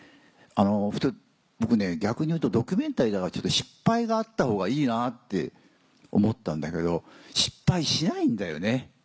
僕ね逆にいうとドキュメンタリーだからちょっと失敗があったほうがいいなって思ったんだけど失敗しないんだよね。